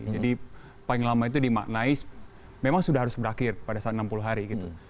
jadi paling lama itu dimaknai memang sudah harus berakhir pada saat enam puluh hari gitu